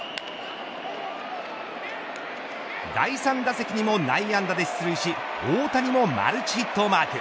第３打席にも内野安打で出塁し大谷もマルチヒットをマーク。